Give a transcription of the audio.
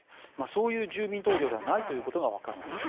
そういう住民投票ではないということがわかるんです。